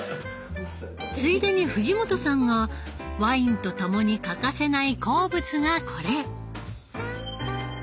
ついでに藤本さんがワインとともに欠かせない好物がこれ。